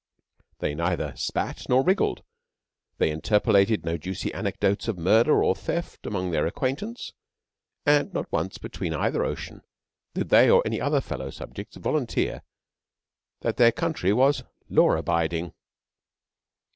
They neither spat nor wriggled; they interpolated no juicy anecdotes of murder or theft among their acquaintance; and not once between either ocean did they or any other fellow subjects volunteer that their country was 'law abiding.'